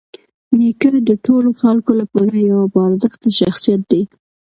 نیکه د ټولو خلکو لپاره یوه باارزښته شخصیت دی.